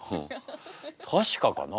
確かかな？